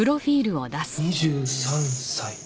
２３歳。